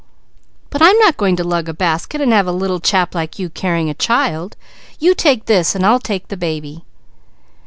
"But I'm not going to lug a basket and have a little chap carrying a child. You take this and I'll take the baby!"